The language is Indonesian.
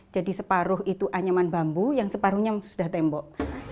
jadi separuh itu anyaman bambu yang separuhnya sudah tembok